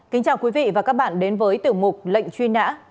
kính chào quý vị và các bạn đến với tiểu mục lệnh truy nã